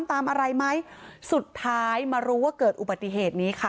ตามอะไรไหมสุดท้ายมารู้ว่าเกิดอุบัติเหตุนี้ค่ะ